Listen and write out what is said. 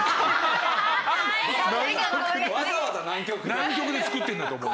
南極で作ってるんだと思う。